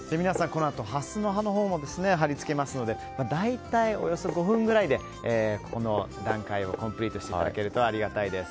このあとハスの葉のほうも貼り付けますので大体およそ５分くらいでこの段階をコンプリートしていただけるとありがたいです。